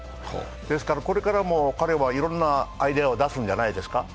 ですから、これからも彼はいろんなアイデアを出すんじゃないですか。